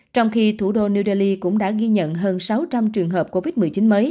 trong khi thủ đô new delhi cũng đã ghi nhận hơn sáu trăm linh trường hợp covid một mươi chín mới